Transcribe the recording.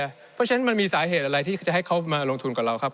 เพราะฉะนั้นมันมีสาเหตุอะไรที่จะให้เขามาลงทุนกับเราครับ